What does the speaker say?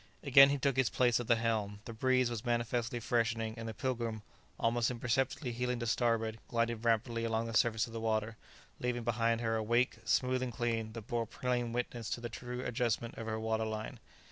Again he took his place at the helm. The breeze was manifestly freshening, and the "Pilgrim," almost imperceptibly heeling to starboard, glided rapidly along the surface of the water, leaving behind her a wake, smooth and clean, that bore plain witness to the true adjustment of her water line.